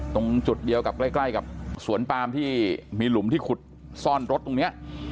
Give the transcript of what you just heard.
ตรงจุดเดียวกับใกล้กับสวนปามที่มีหลุมที่ขุดซ่อนรถตรงนี้